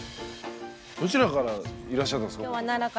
どちらからいらっしゃったんですか？